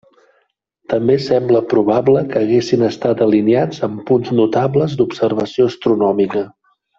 També sembla probable que hagin estat alineats amb punts notables d'observació astronòmica.